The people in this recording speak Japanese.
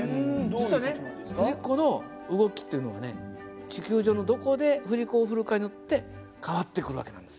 実はね振り子の動きっていうのはね地球上のどこで振り子を振るかによって変わってくる訳なんです。